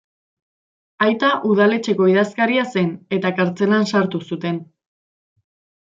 Aita udaletxeko idazkaria zen eta kartzelan sartu zuten.